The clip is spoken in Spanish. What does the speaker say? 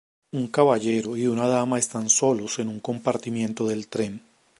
Un caballero y una dama están solos en un compartimento del tren.